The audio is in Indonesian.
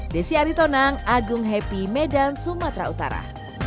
desi aritonang agung happy medan sumatera utara